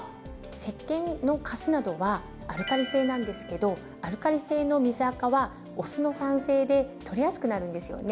せっけんのカスなどはアルカリ性なんですけどアルカリ性の水あかはお酢の酸性で取れやすくなるんですよね。